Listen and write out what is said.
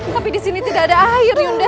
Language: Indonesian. tapi disini tidak ada air yunda